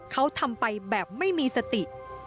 เขาทำไปแบบไม่มีสติ